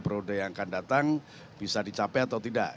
periode yang akan datang bisa dicapai atau tidak